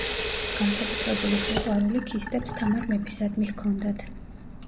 განსაკუთრებული სიყვარული ქისტებს თამარ მეფისადმი ჰქონდათ.